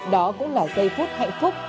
đó cũng là dây phút hạnh phúc